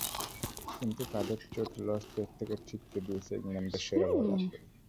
কিন্তু কাঁধের চোট লর্ডস টেস্ট থেকে ছিটকে দিয়েছে ইংল্যান্ডের সেরা বোলারকে।